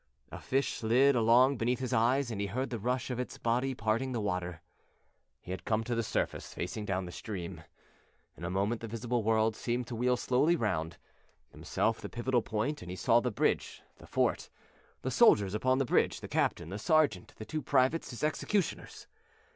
A fish slid along beneath his eyes and he heard the rush of its body parting the water. He had come to the surface facing down the stream; in a moment the visible world seemed to wheel slowly round, himself the pivotal point, and he saw the bridge, the fort, the soldiers upon the bridge, the captain, the sergeant, the two privates, his executioners.